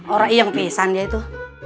orang iya yang pesan dia itu